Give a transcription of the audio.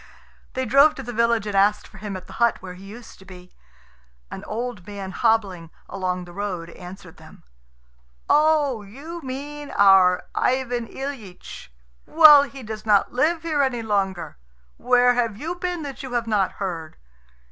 They drove to the village, and asked for him at the hut where he used to be. An old man hobbling along the road answered them, "Oh, you mean our Ivan Ilyitch. Well, he does not live here any longer. Where have you been that you have not heard?